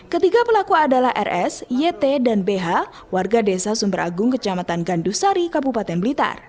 ketiga pelaku adalah rs yt dan bh warga desa sumberagung kecamatan gandusari kabupaten blitar